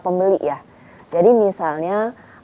pembeli ya jadi misalnya